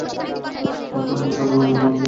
থাঙ্গারাজ স্যারের মেজাজ খারাপ ছিল।